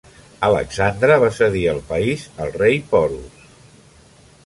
Alexandre va cedir el país al rei Porus.